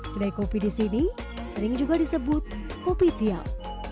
kedai kopi di sini sering juga disebut kopi tiam